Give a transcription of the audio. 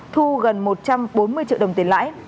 thu gần một trăm bốn mươi triệu đồng tiền lãi